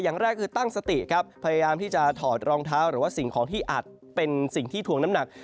อย่างแรกคือตั้งสติครับพยายามที่จะถอดรองเท้าหรือว่าสิ่งของที่อาจเป็นสิ่งที่ทวงน้ำหนัก